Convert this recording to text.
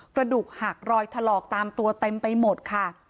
กระดูกหักรอยถลอกตามตัวเต็มไปหมดค่ะ